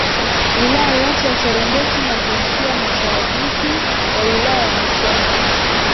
Wilaya yote ya Serengeti na kuishia Mashariki ya Wilaya ya Musoma